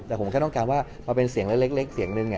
เพราะว่าเป็นเสียงเล็กเสียงนึง